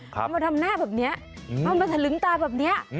เอามาทำหน้าแบบนี้เอามาถลึงตาแบบนี้